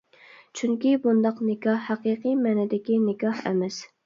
چۈنكى، بۇنداق نىكاھ ھەقىقىي مەنىدىكى نىكاھ ئەمەس.